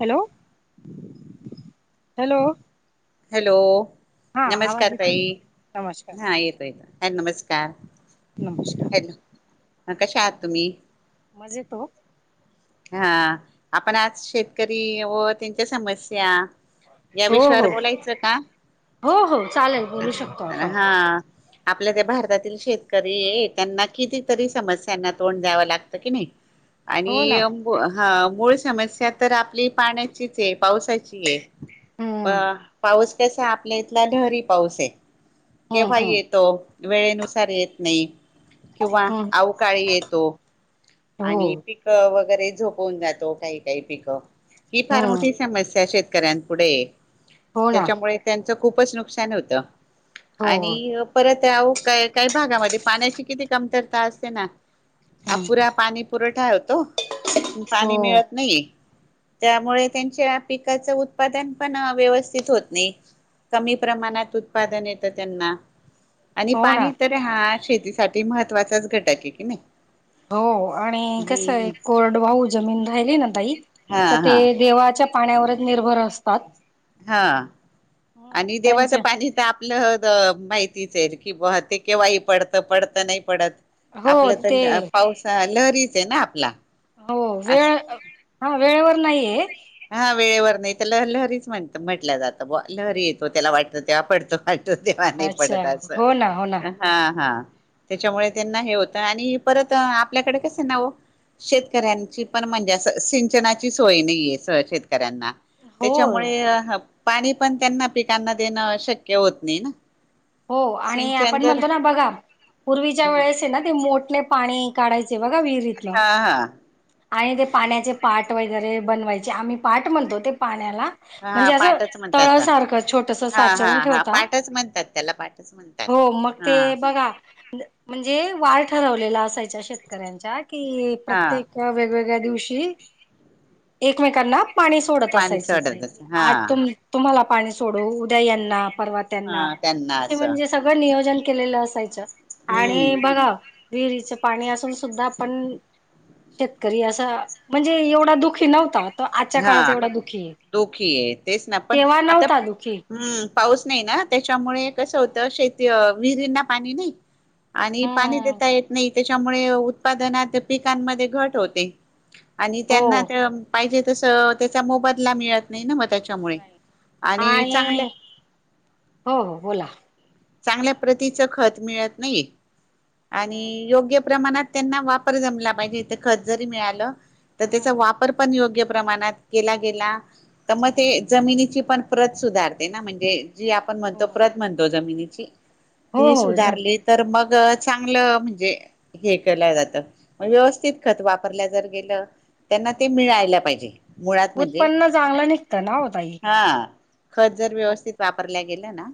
Hello! Hello हा आवाज नमस्कार येतो ताई नमस्कार हा नमस्कार येतो, येतो ह नमस्कार नमस्कार, हा कशा आहात तुम्ही, मजेत ओ. हा आपण आज शेतकरी व त्यांच्या समस्या या हो विषयावर हो बोलायचं का? हो हो चालेल बोलू शकतो आपण हा, आपल्या ते भारतातील शेतकरी आहे. त्यांना कितीतरी समस्यांना तोंड द्यावं लागतं की नाही. आणि, हो ना हा मूळ समस्या तर आपली पाण्याचीच आहे, पावसाची आहे. अ हम्म पाऊस कसा आहे, आपल्या इथला ढरी पाऊस आहे. हम्म केव्हा हम्म येतो वेळेनुसार येत नाही. किंवा हम्म अवकाळी येतो. हो आणि पिकं वगैरे झोपवून जातो काही काही पिकं ही फार हम्म मोठी समस्या शेत शेतकऱ्यांपुढे हो ना त्याच्यामुळे त्यांचं खूपच नुकसान होतं. हो आणि परत का काही भागामध्ये पाण्याची किती कमतरता असते ना. हम्म अपुरा पाणी पुरवठा होतो हो पाणी मिळत नाही. त्यामुळे त्यांच्या पिकाच उत्पादन पण व्यवस्थित होत नाही. कमी प्रमाणात उत्पादन येतं त्यांना, आणि हो ना पाणी तर हा शेतीसाठी महत्त्वाचाच घटक आहे की नाही. हो आणि कस हम्म आहे कोरड वाहू जमीन राहिली ना ताई, हा तर ते हा देवाच्या पाण्यावरच निर्भर असतात. हा हम्म आणि देवाचं त्यांचे पाणी तर आपलं माहित. क ते केव्हा पडत पडत नाही पडत, हो आपलं ते तर पासा लहरीच आहे ना आपला. हो अस वेळ हा वेळेवर नाहीये. हा वेळेवर नाही तर ल लहरीच म्हणत म्हटल्या जातं लहरी येतो त्याला वाटत तेव्हा पडतो. तेव्हा नाही अच्छा पडत अस हो ना हो ना हा हा, त्याच्यामुळे त्यांना हे होतं आणि परत आपल्याकडे कसं आहे ना ओ. शेतकऱ्यांची पण म्हणजे सिंचनाची सोय नाहीयेत. शेतकऱ्यांना हो त्याच्यामुळे पाणी पण त्यांना पिकांना देणं शक्य होत नाही ना. हो आणि आपण सिंचंदर म्हणतो ना बघा पूर्वीच्या वेळेस ना ते मोटने पाणी काढायचे. बघा विहीरीतल. हा हा आणि ते पाण्याचे पाट वगैरे बनवायचे आम्ही पाट म्हणतो ते पाण्याला. हा म्हणजे असं पाठच तळ म्हणतात सारखं छोटस हा हा साचवून हा ठेवता. पाठच म्हणतात त्याला पाठच म्हणतात हो मग हा ते बघा म्हणजे वार ठरवलेला असायच. शेतकऱ्यांच्या की हा प्रत्येक वेगवेगळ्या दिवशी एकमेकांना पाणी सोडत पाणी असायचं. ते सोडतच हा आज तुम्हाला पाणी सोडू उद्या यांना परवात्यांना हा त्यांना असे असं म्हणजे सगळं नियोजन केलेलं असायचं. आणि हम्म बघ विहिरीच पाणी असून सुद्धा आपण. शेतकरी असं म्हणजे एवढा दुखी नव्हतात. हा दुखी आहे तेच ना पण तेव्हा आता नव्हता दुःखी हम्म हम्म पाऊस नाही ना त्याच्यामुळे कसं होत शेती विहिरींना पाणी नाही. आणि पाणी हम्म देता येत नाही त्याच्यामुळे उत्पादनात पिकांमध्ये घट होते. आणि हो त्यांना पाहिजे तस त्याच्या मोबदला मिळत नाही ना मग. त्याच्यामुळे नाही. आणि चांगल्या हो हो बोला चांगल्या प्रतीच खत मिळत नाही आणि हम्म योग्य प्रमाणात त्यांना वापर जमला पाहिजे इथ खत जरी मिळालं तर हम्म त्याचा हम्म वापर पण योग्य प्रमाणात केला गेला तर मग हम्म. ते जमिनीची पण प्रत सुधारते ना म्हणजे. जी आपण हो म्हणतो प्रत म्हणतो जमिनीची हो ती हो हो सुधारली तर मग, चांगलं म्हणजे हे केल्या जात व्यवस्थित खत वापरल्या जर गेलं. त्यांना ते मिळायला पाहिजे मुळात म्हणजे उत्पन्न चांगलं निघतं ना हो ताई हा खत जर व्यवस्थित वापरल्या गेला ना,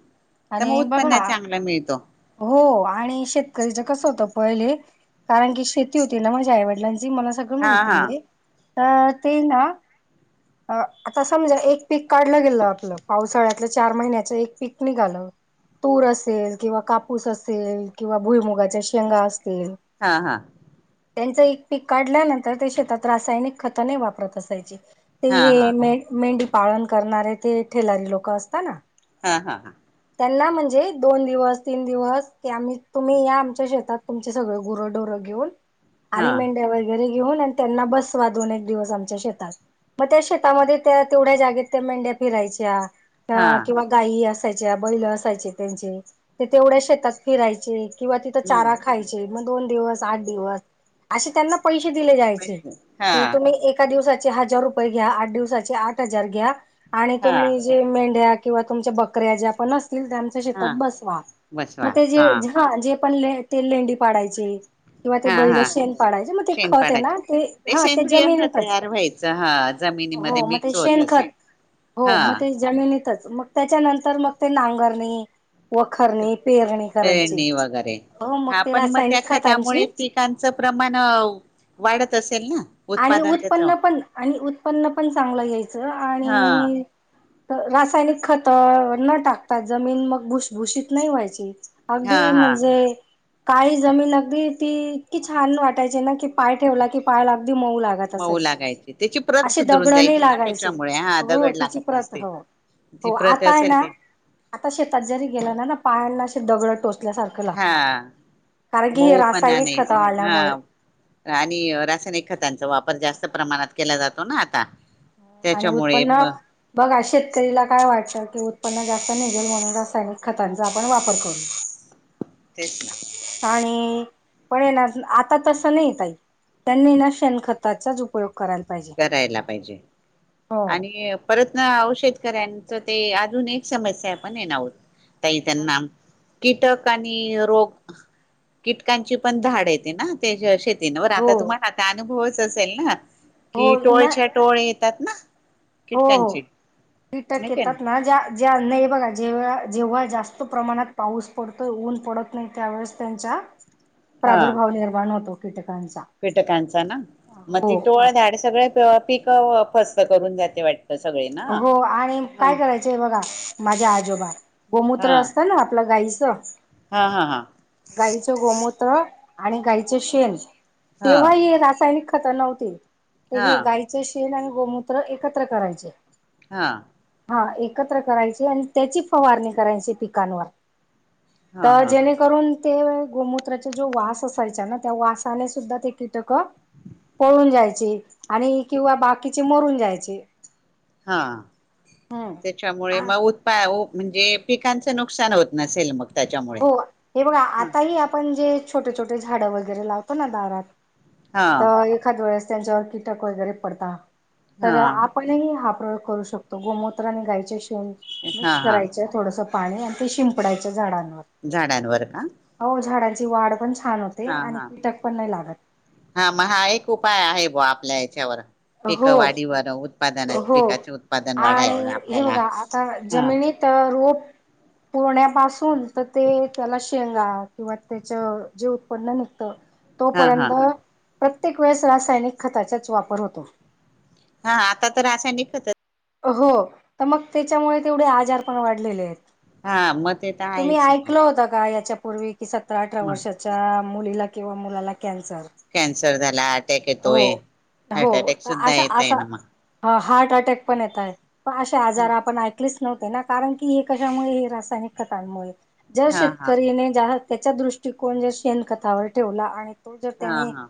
आणि पण बघा चांगला मिळतो. हो आणि शेतकरीच कसं होत पहिले. कारण की शेती होती ना माझ्या आईवडिलांची मला सगळं हा माहिती हा आहे. अ ते ना आता समजा एक पीक काढलं गेलं आपलं पावसाळ्यात चार महिन्याचा एक पिक निघालं तूर असेल किंवा ऊस असेल किंवा भुई मुगाच्या शेंगा अस हा हा त्यांचं एक पीक काढल्यानंतर ते शेतात रासायनिक खतने वापरत असायचे. ते हा हा हे मे मेंढी पाळन करणारे ते ठेलारी लोक असतात ना हा हा हा त्यांना म्हणजे दोन दिवस तीन दिवस की आम्ही तुम्ही या आमच्या शेतात तुमचे सगळे गुरं डोर घेऊन हा आणि मेंढ्या वगैरे घेऊन आणि त्यांना बसवा दोन एक दिवस आमच्या शेतात मग त्या शेतामध्ये त्या तेवढ्या जागेत त्या मेंढ्या फिरायच्या हा अ किंवा गाय असायच्या बैल असायचे त्यांचे ते तेवढ्या शेतात फिरायचे. किंवा तिथं हम्म चारा खायचे मग दोन दिवस आठ दिवस असे त्यांना पैसे क प्रश्न हा तुम्ही एका दिवसाचे हजार रुपये घ्या आठ दिवसाचे आठ हजार घ्या. आणि हा तुम्ही जे मेंढ्या किंवा तुमच्या बकऱ्या ज्या आपण असत. आमच्या हा शेतात बसवा बसवा मग ते जे हा ह जे पण ते लेंडी पाडायचे. किंवा ते हा बैलं हा शेण पाडायचे मग ते खत आहे शेणपाडाचे ना ते हा ते सेंद्रिय खत जमिनीतच तयार व्हायचं हा जमिनीमध्ये हो मग ते मिक्स होत असे. शेणखत हो हा मग ते जमिनीतच मग त्याच्यानंतर मग ते नांगरणी वखरणी पेरणी करायची पेरणी वगैरे हो हा ते पण मग त्या रासायनिक खता मुळे खतांची पिकांचं प्रमाण वाढत असेल ना, आणि उत्पादन त्याच उत्पन्न पण आणि उत्पन्न पण चांगलं यायचं हा आणि रासायनिक खत न टाकतात जमीन मग भुषभूषित नाही व्हायची हा अगदी हा म्हणजे काही जमीन अगदी ती इतकी छान वाटायची ना की पाय ठेवला की पाय लागला. मऊ लागायची त्याची प्रत असे सुधरून दगड नाही जायची ना लागायचे त्याच्यामुळे हा हो दगड तिची लागत प्रत नसतील. हो ती हो प्रत आता आहे असेल ना ते आता शेतात जरी गेला ना ना पायांना असे दगडं टोचल्यासारखं लागता. हा मऊ पण नाहीच हा आणि रासायनिक खतांचा वापर जास्त प्रमाणात केला जातो ना आता आणि त्याच्यामुळे उत्पन्न बघा शेतकरीला काय वाटतात. ते उत्पन्न जास्त निघेल म्हणून रासायनिक खतांचा आपण वापर करू. तेच ना आणि पण ये ना आता तस नाही तई त्यांनी ना शेणखताचाच उपयोग करायला पाहिजे. करायला पाहिजे, हो. आणि परत ना औषध शेतकऱ्यांच ते अजून एक समस्या पण येणार आहोतही त्यांना कीटक आणि रोग कीटकांची पण धाड येते ना त्या श वर हो आता तुम्हाला आता अनुभवच असेल ना हो कि ना टोळच्या टोळ येतात ना, हो हो कीटकांची कीटक नाही का येतात ना, ज्या नाही बघा जेव जेव्हा जास्त प्रमाणात पाऊस पडतोय ऊन पडत नाही त्यावेळेस त्यांच्या प्रादुर्भाव निर्माण होतो कीटक पिटकांचा ना मग ती टोळ झाधाड सगळे पीक फस्त करून जाते वाटते. हो आणि काय करायचंय बघा माझ्या आजोबा हा गोमूत्र असतं ना आपल्या गाई हा हा हा गाईचं गोमूत्र आणि गाईचं शेण. हा तेव्हा हे रासायनिक खतरना होते हा हे गायचे शेन आणि गोमूत्र एकत्र करायचे. हा हा एकत्र करायचे, आणि त्याची फवारणी करायची पिकांवर हा तर हा जेणेकरून ते गोमूत्राचा जो वास असायचा ना त्या वासाने सुद्धा ते कीटक पळून जायचे आणि किंवा बाकीचे मरून जायचे. हा हम्म. त्याच्यामुळे आ मग उत्पा म्हणजे पिकांचं नुकसान होत नसेल मग. त्याच्यामुळे हो हे बघा हा आताही आपण जे छोटे छोटे झाडं वगैरे लावतो ना दारात हा तर एखाद वेळेस त्यांच्यावर कीटक वगैरे पडता हा तर आपणही प्रयोग करू शकतो गोमत्र आणि गायचे शेण हा मिक्स हा करायच थोडस पाणी आणि ते शिंपडाच्या झाडांने झाडांवर का त्या वाढ पण छान होते हा आणि हा कीटक पण नाही लागत. हा मग हा एक उपाय आहे ब आपल्या याच्यावर हो पिकवाडीवर उत्पादना हो पिकाचे उत्पादन वाढा आणि हे आपल्याला बघा आता ह. जमिनीत रोप ह पुरण्यापासून तर ते त्याला शेंगा किंवा त्याच जे उत्पन्न निघतं. हा हा तोपर्यंत प्रत्येक वेळेस रासायनिक खताचाच वापर होतो. हा आता तर असा नि खतच हो तर मग त्याच्यामुळे तेवढे आजार पण वाढलेले आहेत. हा म तुम्ही ऐकलं होता का याच्यापूर्वी कि सतरा अठरा मग वर्षाच्या मुलीला किंवा मुलाला कॅन्सर कॅन्सर झाला अटॅक हो येतोय. हो हार्ट अटॅक सुद्धा अशा येत आहे असा ना मग ह अक पण येते आजार आपण ऐकलेच नव्हते ना कारण की हे कश हेसायन मुळे जर हा हा शेतकरी त्याचा दृष्टिकोन जर शेणखथावर ठेवला आणि तो जर हा त्याने हा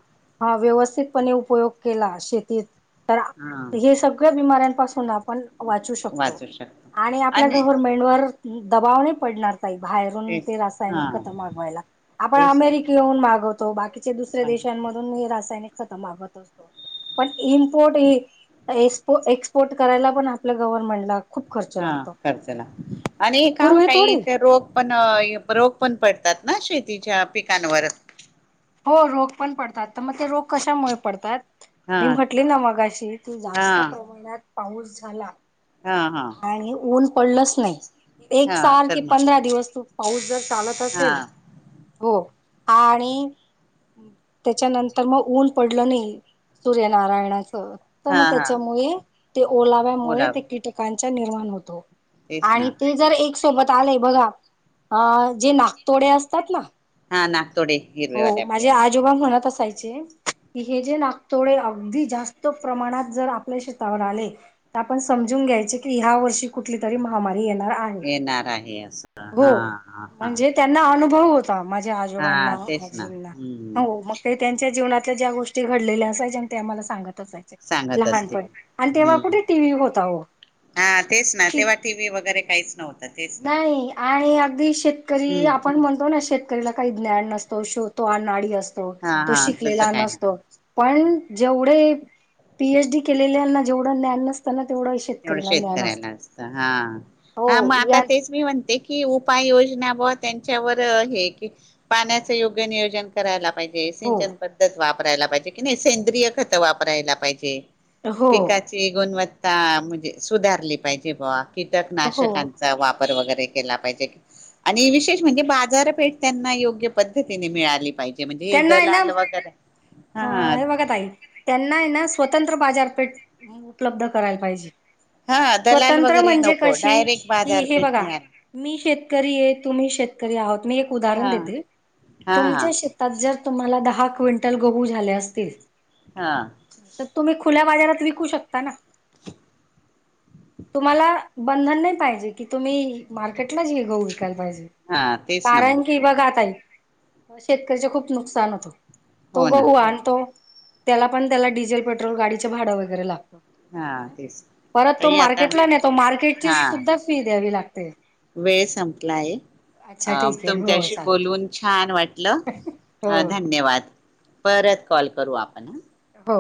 व्यवस्थितपणे उपयोग केला शेतीत तर हा हे सगळ्या बिमाऱ्यांपासून आप वाू शकतो वाचू शकतो आणि आपल्या गव्हर्मेंट वर दबाव नाही पडणार. बाहेरून तेच ते हा रासायनिक ख मागवायला आपण तेच अमेरिके येऊन मागवतो बाकी दुसऱ्या देशांमधून रासायनिक खत मागत, असतो पण इम्पोर्ट. एो एक्सपोर्ट करायला पण आपलं गव्हनमेंट ला. हा खर्जला आणि काय पूर्वी होता थोडी इथे रोग पण रोग पण पडतात. ना शेतीच्या पिकांवर. हो रोग पण पडतात, तर मग ते रोग कशामुळे पडतात. हा मी म्हटले ना मगाशी की हा जास्त प्रमाणात पाऊस झाला. हा हा आणि ऊन पडलच नाही. एक हा साल तर कि मग पंधरा दिवस तू पाऊस जर चालत हा असेल हो. आणि त्याच्यानंतर मग ऊन पडलं नाही सूर्यनारायणा. त हा मग हा त्याच्यामुळे ते ओलाव्यामुळे बोला ते कीटकांचा निर्माण होतो. तेच आणि ना ते जर एक सोबत आले बघा अ जे नागतोडे असतात ना. हा नागतोडे हो हिरवेवाले आपले माझे ते आजोबाां म्हणत असायचे. हे जे नागतोडे अगदी जास्त प्रमाणात जर आपल्या शेतावर आले तर आपण. समजून घ्यायचे की ह्या वर्षी कुठली तरी महामारी येणार आहे येणार आहे असं हो हा हा. म्हणजे त्यांना अनुभव होता माझ्या हा आजोबांना तेच ना आजीं हम्म हो मग का त्यांच्या जीवना ज्या गोष्टी घडलेल्या असायच्या आम्हा सांगत. सांगत असतील लहानपणी आणि तेव्हा हम्म कुठे टी व्ही होता हो. हा तेच ना तेव्हा टी व्ही वगैरे काहीच नव्हतं तेच ना. नाही आणि अगदी शेतकरी हम्म आपण म्हणतो ना शेतकरीला काही ज्ञान नसतो शोवतो अनाडी असतो. हा तो हा तसं शिकलेला काय ना नसतो. पण जेवढे पीएच डी केलेल्याना जेवढं ज्ञान नसताना. तेवढं शेतकरीला ज्ञान शेतकऱ्याला असतं असत हाा मग हो आता या तेच मी म्हणते की. उपाययोजना बा त्यांच्यावर हे की पाण्याच योग्य नियोजन करायला, पाहिजे हो सिंचन पद्धत वापरायला पाहिजे कि नाही सेंद्रिय खत वापरायला पाहिजे. हो पिकाची गुणवत्ता म्हणजे सुधारली पाहिजे बुवा हो कीटकनाशकांचा वाप वरे केला पाहिजे आणि विशेष म्हणजे बाजारपेठ त्यांना योग्य पद्धतीने मिळाली पाहिजे. म्हणजे त्यांना आहे ना, दलाल वगैरे हा हे बघा ताई त्यांना आहे ना स्वतंत्र बाजारपेठ उपलब्ध करायला पाहिजे. हा दलाल स्वतंत्र वगैरे म्हणजे नको कशी डायरेक्ट कि हे बाजारपेठ बघा, मिळाली मी शेतकरी ये तुम्ही शेतकरी आहोत, मी एक उदाहरण हा देतील हा तुमच्या श जर तुमला दहा क्विंटल गहू झाले असतील हा त तुम्ही फुला बाजारात विकू शकता ना. तुम्हाला बंधन नाही पाहिजे कि तुम्ही मार्केटलाच हेगऊ पाहिजे हा तेच ना मग कारण कि बघा ताई शेतकऱच खूप नुकसान होतो. तो हो ना गहू आणि तो त्याला पण त्याला डिझेल पेट्रोल गाडीच भाडं वगैरे लागत. हा तेच परत तो ताई आता मार्केटला ने तो मार्केटची हा सुद्धा फी द्यावी लागते. वेळ संपलाय अच्छा ये ठीक आहे हो तुमच्याशी बोलून छान वाटलं. चालेल हो अ धन्यवाद परत कॉल करू आप हो